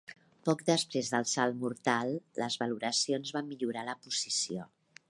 Poc després del salt mortal, les valoracions van millorar la posició.